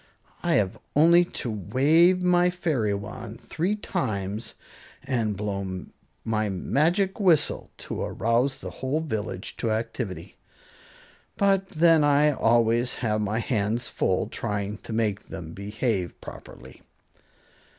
I have only to wave my fairy wand three times and blow my magic whistle to arouse the whole village to activity. But then I always have my hands full trying to make them behave properly."